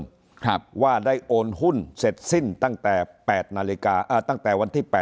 ครับว่าได้โอนหุ้นเสร็จสิ้นตั้งแต่แปดนาฬิกาอ่าตั้งแต่วันที่แปด